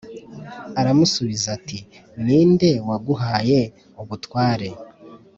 Aramusubiza ati Ni nde waguhaye ubutware